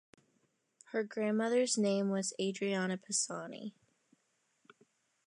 Her grandmother's name was Adriana Pisani.